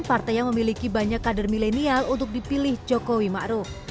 partai yang memiliki banyak kader milenial untuk dipilih jokowi makro